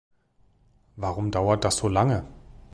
Warum dauert das so lange?